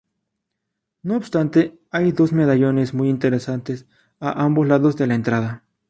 No obstante, hay dos medallones muy interesantes a ambos lados de la entrada.